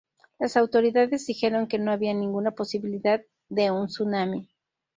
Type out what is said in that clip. Las autoridades dijeron que no había ninguna posibilidad de un tsunami.